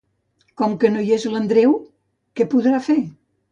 Com que no hi és l'Andreu, què podrà fer?